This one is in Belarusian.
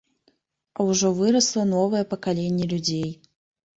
А ўжо вырасла новае пакаленне людзей.